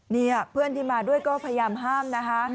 นี่เพื่อนที่มาด้วยก็พยายามห้ามนะคะ